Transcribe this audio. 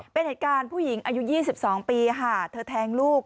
เป็นเหตุการณ์ผู้หญิงอายุ๒๒ปีค่ะเธอแทงลูก